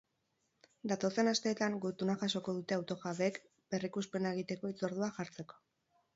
Datozen asteetan gutuna jasoko dute auto-jabeek berrikuspena egiteko hitzordua jartzeko.